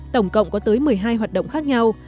tổng cộng có tới một mươi hai hoạt động khác nhau